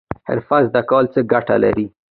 حرفه زده کول څه ګټه لري؟